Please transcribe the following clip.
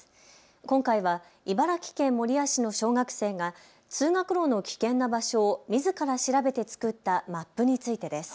今回は茨城県守谷市の小学生が通学路の危険な場所をみずから調べて作ったマップについてです。